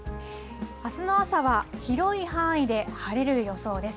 あすの朝は広い範囲で晴れる予想です。